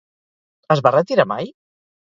Es va retirar mai?